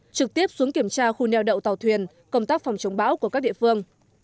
trực tiếp xuống kiểm tra khu neo đậu tàu thuyền công tác phòng chống bão của các địa phương